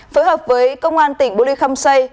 phối hợp với công an tỉnh bùi lê khăm xây